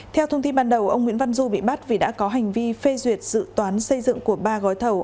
theo thông tin ban đầu ông nguyễn văn du bị bắt vì đã có hành vi phê duyệt dự toán xây dựng của ba gói thầu